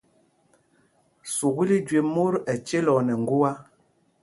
Sukûl í jüé mot ɛcelɔɔ nɛ ŋgua.